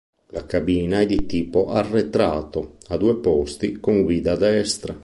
La cabina è di tipo arretrato, a due posti con guida a destra.